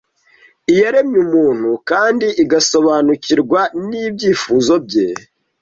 Iyaremye umuntu kandi Igasobanukirwa n’ibyifuzo bye,